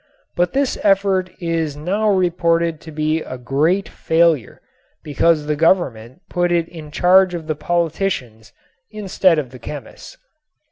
But this effort is now reported to be "a great failure" because the Government put it in charge of the politicians instead of the chemists.